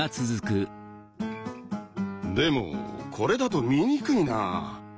でもこれだと見にくいな。